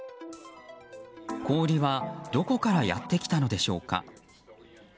氷は、どこからやってきたのでしょうか。